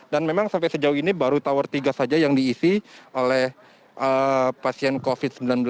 dan memang sampai sejauh ini baru tower tiga saja yang diisi oleh pasien covid sembilan belas